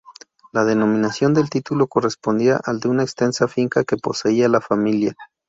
La denominación del título correspondía al de una extensa finca que poseía la familia.